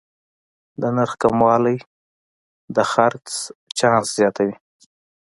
د نرخ کموالی د خرڅ چانس زیاتوي.